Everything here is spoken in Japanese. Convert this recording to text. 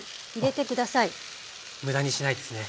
無駄にしないですね。